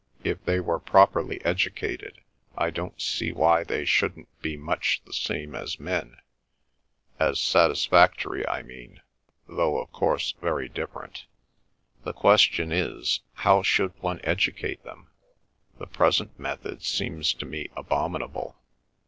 If they were properly educated I don't see why they shouldn't be much the same as men—as satisfactory I mean; though, of course, very different. The question is, how should one educate them. The present method seems to me abominable.